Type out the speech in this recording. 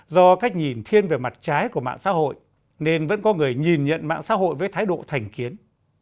do cách nhìn thiên về mặt trái của mạng xã hội nên vẫn có người nhìn nhận mạng xã hội với thái độ thành kiến